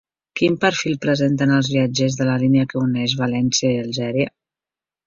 Quin perfil presenten els viatgers de la línia que uneix València i Algèria?